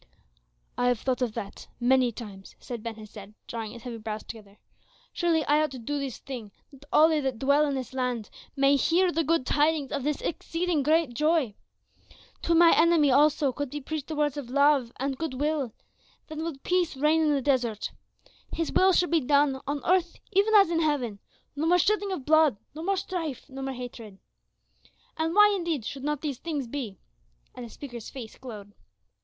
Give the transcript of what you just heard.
"I have thought of that many times," said Ben Hesed, drawing his heavy brows together. "Surely I ought to do this thing, that all they that dwell in this land may hear the good tidings of this exceeding great joy. To my enemy also could be preached the words of love and good will, then would peace reign in the desert. His will should be done on earth even as in heaven, no more shedding of blood, no more strife, no more hatred. And why indeed should not these things be?" and the speaker's face glowed.